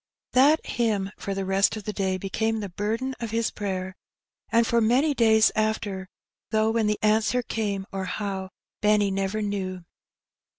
That hymn for the rest of the day became the burden of his prayer, and for many days after, though when the answer came, or how, Benny never knew.